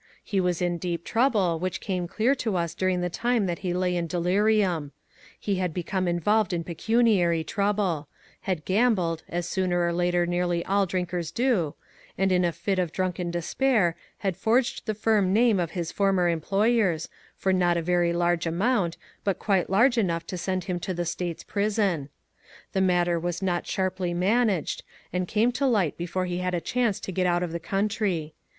He was in deep trouble, which became clear to us during the time that he lay in delirium. He had become involved in pecuniary trouble; had gambled, as sooner or later nearly all drinkers do, and, in a fit of drunken despair, had forged the firm name of his former employers, for not a very large amount, but quite large enough to send him to the State's prison. SHADOWED LIVES. 383 The matter was not sharply managed, and came to light before he bad a chance to get out of the country.